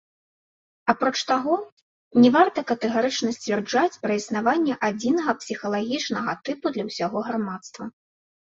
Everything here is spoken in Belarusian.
Апроч таго, не варта катэгарычна сцвярджаць пра існаванне адзінага псіхалагічнага тыпу для ўсяго грамадства.